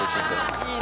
いいね。